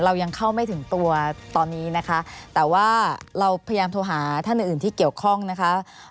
เรายังเข้าไม่ถึงตัวตอนนี้นะคะแต่ว่าเราพยายามโทรหาท่านอื่นอื่นที่เกี่ยวข้องนะคะ